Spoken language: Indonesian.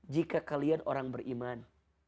jika kalian orang beriman